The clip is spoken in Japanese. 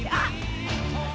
あっ！